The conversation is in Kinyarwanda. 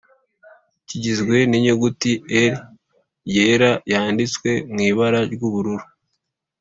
kigizwe n'inyuguti L yera yánditswe mw’ibara ry'ubururu